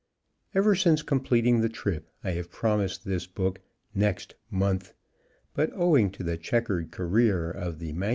Ever since completing the trip, I have promised this book "next month," but owing to the checkered career of the MS.